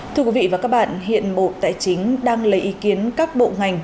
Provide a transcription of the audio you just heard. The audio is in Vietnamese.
thưa quý vị và các bạn hiện bộ tài chính đang lấy ý kiến các bộ ngành